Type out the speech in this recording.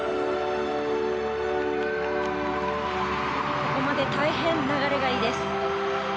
ここまで大変流れがいいです。